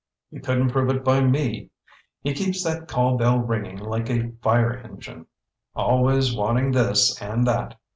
"You couldn't prove it by me. He keeps that call bell ringing like a fire engine! Always wanting this and that.